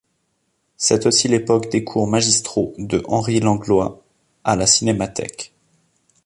C'est aussi l'époque des cours magistraux de Henri Langlois à la cinémathèque.